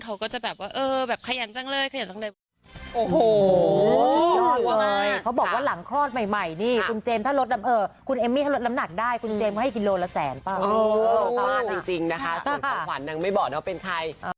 เขาก็จะแบบว่าเออแบบขยันจังเลยขยันจังเลย